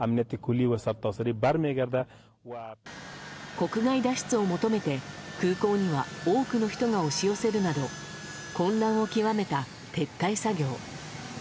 国外脱出を求めて空港には多くの人が押し寄せるなど混乱を極めた撤退作業。